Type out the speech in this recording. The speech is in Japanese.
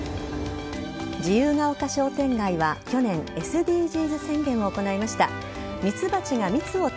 自由が丘商店街は去年ＳＤＧｓ宣言を行いました。